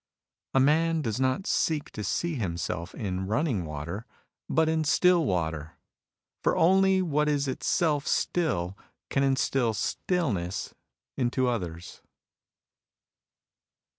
....• A man does not seek to see himself in running water, but in still water. For only what is itself still can instil stillness into others.